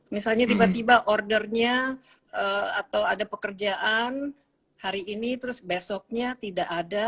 misalnya tiba tiba ordernya atau ada pekerjaan hari ini terus besoknya tidak ada